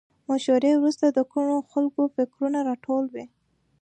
مشورې وروسته د ګڼو خلکو فکرونه راټول وي.